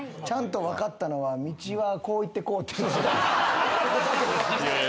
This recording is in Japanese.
ちゃんと分かったのは道はこう行ってこうって。